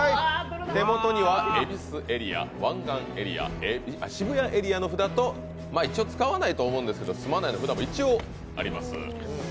手元には恵比寿エリア、湾岸エリア渋谷エリアの札と、一応使わないと思うんですけれども、「住まない」の札もあります。